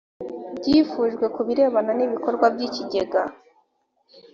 byifujwe ku birebana n ibikorwa by ikigega